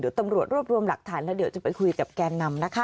เดี๋ยวตำรวจรวบรวมหลักฐานแล้วเดี๋ยวจะไปคุยกับแกนนำนะคะ